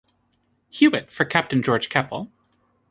Hewitt for Captain George Keppel.